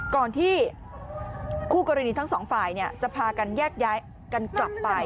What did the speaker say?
ก่อนที่คู่กรณีทั้งสองฝ่ายจะพากันแยกย้ายกันกลับไป